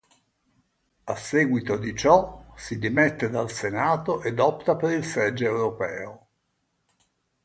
A seguito di ciò, si dimette dal senato ed opta per il seggio europeo.